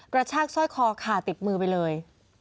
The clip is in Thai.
กระชากสร้อยคอค่ะติดมือไปเลย